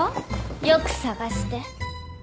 よく捜して。